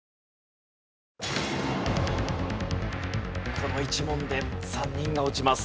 この１問で３人が落ちます。